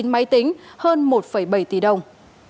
chín máy tính hơn một bảy tỷ đồng